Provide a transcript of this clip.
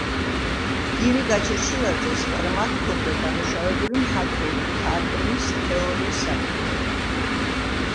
გივი გაჩეჩილაძეს ღრმად ჰქონდა დამუშავებული მხატვრული თარგმნის თეორიის საკითხები.